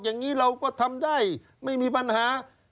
อย่างนี้เราก็ทำได้ไม่มีปัญหา